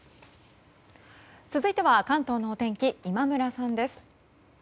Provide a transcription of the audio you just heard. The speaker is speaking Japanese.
続いては関東のお天気、今村さんです。